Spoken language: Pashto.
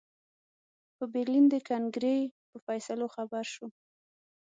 په برلین د کنګرې په فیصلو خبر شو.